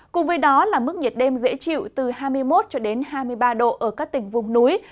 cùng với đó là mức nhiệt đêm dễ chịu từ hai mươi một cho đến hai mươi ba độ ở các tỉnh vùng núi